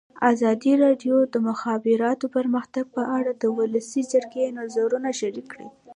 ازادي راډیو د د مخابراتو پرمختګ په اړه د ولسي جرګې نظرونه شریک کړي.